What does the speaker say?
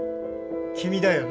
君だよね？